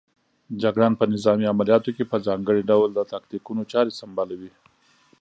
جګړن په نظامي عملیاتو کې په ځانګړي ډول د تاکتیکونو چارې سنبالوي.